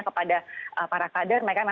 kepada para kader mereka